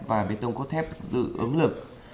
và bê tông cốt thép dự ứng lực